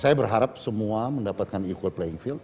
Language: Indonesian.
saya berharap semua mendapatkan equal playing field